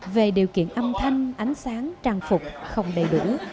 về điều kiện âm thanh ánh sáng trang phục không đầy đủ